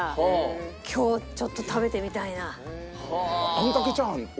あんかけチャーハンを？